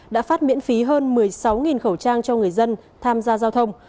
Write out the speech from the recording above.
đã phát miễn phí hơn một mươi sáu khẩu trang cho người dân tham gia giao thông